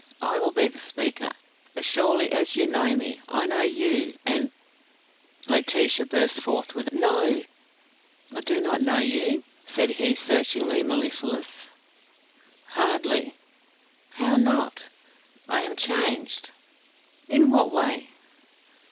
I will be the speaker. As surely as you know me, I know you: and ..." Laetitia burst forth with: "No!" "I do not know you?" said he, searchingly mellifluous. "Hardly." "How not?" "I am changed." "In what way?"